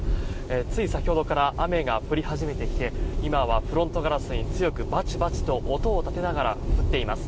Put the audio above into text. つい先ほどから雨が降り始めてきて今はフロントガラスに強くバチバチと音を立てながら降っています。